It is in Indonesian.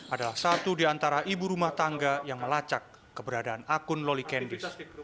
adalah satu di antara ibu rumah tangga yang melacak keberadaan akun loli kandis